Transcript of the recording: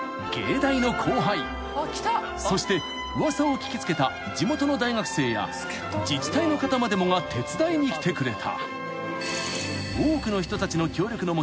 ［そして噂を聞き付けた地元の大学生や自治体の方までもが手伝いに来てくれた］